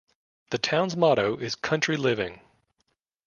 The town's motto is Country Living.